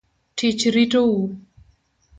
Tich ritou.